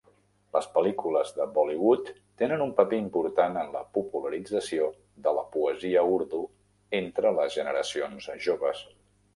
Les pel·lícules de Bollywood tenen un paper important en la popularització de la poesia Urdu entre les generacions joves.